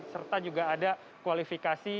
serta juga ada kualifikasi